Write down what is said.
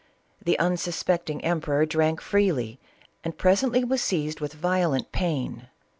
The unsuspecting emperor drank freely and presently was seized with violent pain.